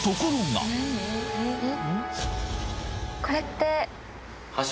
これって？